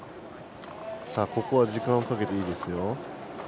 ここは時間をかけていいですよ。